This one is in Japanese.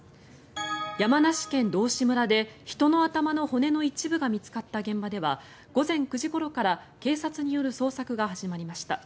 山梨県道志村で人の頭の骨の一部が見つかった現場では午前９時ごろから警察による捜索が始まりました。